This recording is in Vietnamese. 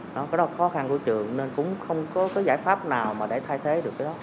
đó là khó khăn của trường nên cũng không có giải pháp nào để thay thế được cái đó